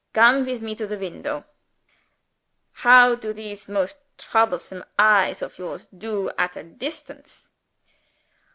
Come with me to the window. How do these most troublesome eyes of yours do at a distance?"